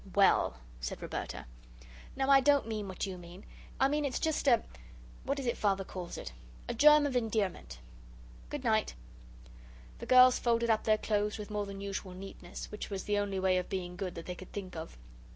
"WELL," said Roberta. "No, I don't mean what you mean. I mean it's just a what is it Father calls it? a germ of endearment! Good night." The girls folded up their clothes with more than usual neatness which was the only way of being good that they could think of.